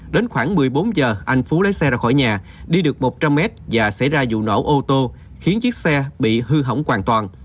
đến khoảng một mươi bốn giờ anh phú lấy xe ra khỏi nhà đi được một trăm linh m và xảy ra vụ nổ ô tô khiến chiếc xe bị hư hỏng hoàn toàn